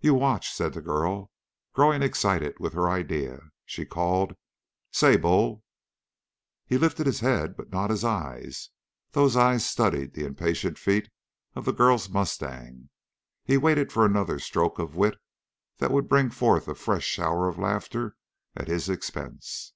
"You watch!" said the girl. Growing excited with her idea, she called, "Say, Bull!" He lifted his head, but not his eyes. Those eyes studied the impatient feet of the girl's mustang; he waited for another stroke of wit that would bring forth a fresh shower of laughter at his expense.